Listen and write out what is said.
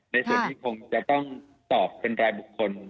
ในส่วนที่คงจะต้องตอบเป็นรายบุคคล